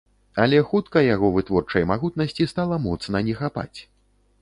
Але хутка яго вытворчай магутнасці стала моцна не хапаць.